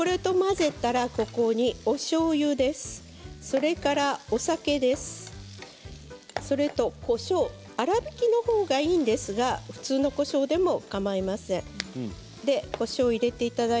ここに、おしょうゆ、お酒それとこしょう粗びきのほうがいいんですが普通のこしょうでもかまいません。